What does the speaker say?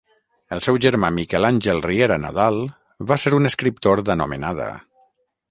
El seu germà Miquel Àngel Riera Nadal va ser un escriptor d'anomenada.